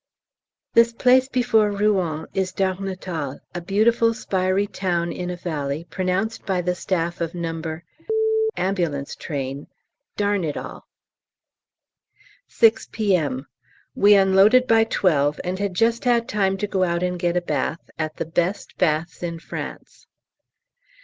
This place before Rouen is Darnetal, a beautiful spiry town in a valley, pronounced by the Staff of No. A.T. "Darn it all." 6 P.M. We unloaded by 12, and had just had time to go out and get a bath at the best baths in France.